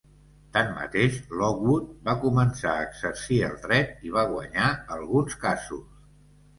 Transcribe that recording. Tanmateix, Lockwood va començar a exercir el dret i va guanyar alguns casos.